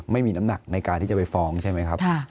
ไม่มีน้ำหนักในการที่จะไปฟ้องใช่ไหมครับ